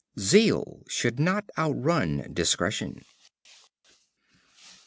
Zeal should not outrun discretion.